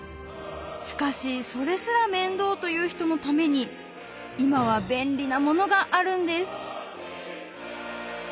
しかしそれすら面倒という人のために今は便利なものがあるんです